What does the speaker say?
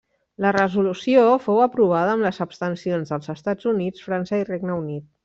La resolució fou aprovada amb les abstencions dels Estats Units, França i Regne Unit.